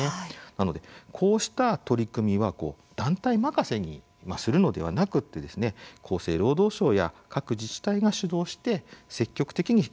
なので、こうした取り組みは団体任せにするのではなくて厚生労働省や各自治体が主導して積極的に行ってほしいと思います。